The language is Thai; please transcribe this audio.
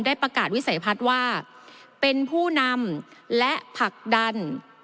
ประกาศวิสัยพัฒน์ว่าเป็นผู้นำและผลักดัน